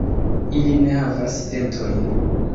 Ili ne havas dentojn.